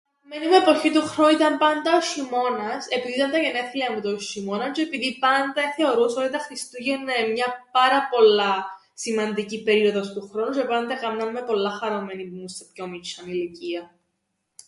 Η αγαπημένη μου εποχή του χρόνου ήταν πάντα ο σ̆ειμώνας επειδή ήταν τα γενέθλια μου τον σ̆ειμώναν τžαι επειδή πάντα εθεωρούσα ότι τα Χριστούγεννα εν' μια πάρα πολλά σημαντική περίοδος του χρόνου τžαι πάντα εκάμναν με πολλά χαρούμενην που ήμουν σε πιο μιτσ̆ιάν ηλικίαν.